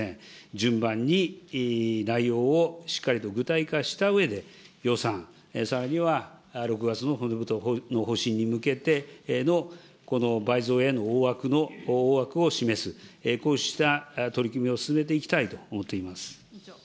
順番に内容をしっかりと具体化したうえで、予算、さらには６月の骨太の方針に向けてのこの倍増への大枠を示す、こうした取り組みを進めていきたいと思っています。